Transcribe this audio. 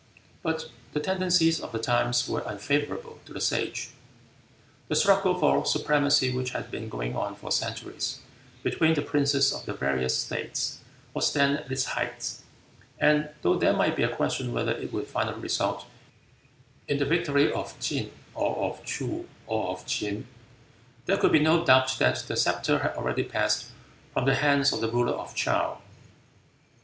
But the tendencies of the times were unfavorable to the Sage. The struggle for supremacy which had been going on for centuries between the princes of the various states was then at its height, and though there might be a question whether it would finally result in the victory of Tsin, or of Ts'oo, or of Ts'in, there could be no doubt that the sceptre had already passed from the hands of the ruler of Chow.